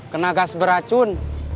kena gas beracun